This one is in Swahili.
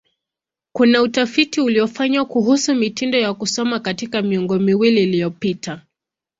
Kuna utafiti uliofanywa kuhusu mitindo ya kusoma katika miongo miwili iliyopita.